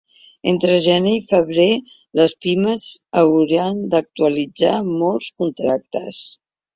Entre gener i febrer les pimes hauran d’actualitzar molts contractes.